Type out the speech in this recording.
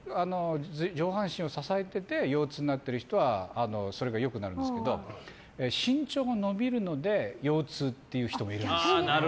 上半身を支えていて腰痛になっている人はそれが良くなるんですけど身長が伸びるので腰痛っていう人もいるんです。